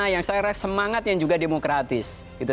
yang saya rasa semangatnya juga demokratis